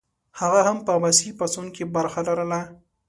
هغه هم په عباسي پاڅون کې برخه لرله.